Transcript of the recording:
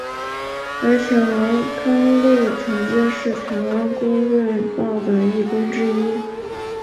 而且王康陆曾经是台湾公论报的义工之一。